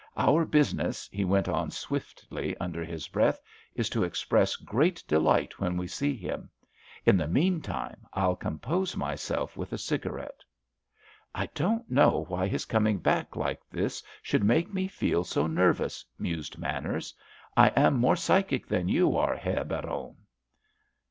"Our business," he went on swiftly, under his breath, "is to express great delight when we see him. In the meantime I'll compose myself with a cigarette." "I don't know why his coming back like this should make me feel so nervous," mused Manners. "I am more psychic than you are, Herr Baron."